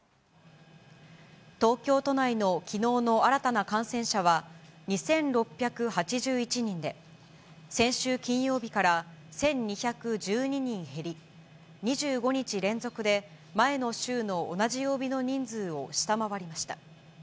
東京都内のきのうの新たな感染者は、２６８１人で、先週金曜日から１２１２人減り、２５日連続で前の週の同じ曜日の人数を下回りました。